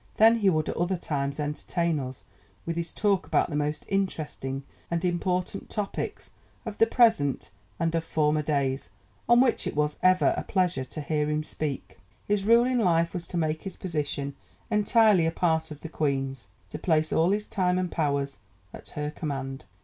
Then he would at other times entertain us with his talk about the most interesting and important topics of the present and of former days, on which it was ever a pleasure to hear him speak." [Footnote 10: Queen Victoria's Journal.] His rule in life was to make his position entirely a part of the Queen's, "to place all his time and powers at her command."